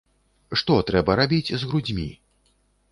Што трэба рабіць з грудзьмі?